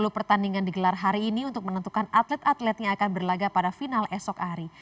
sepuluh pertandingan digelar hari ini untuk menentukan atlet atlet yang akan berlaga pada final esok hari